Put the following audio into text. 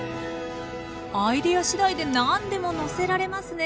アイデア次第で何でものせられますね。